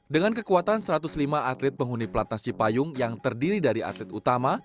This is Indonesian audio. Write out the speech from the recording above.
dengan kekuatan satu ratus lima atlet penghuni pelatnas cipayung yang terdiri dari atlet utama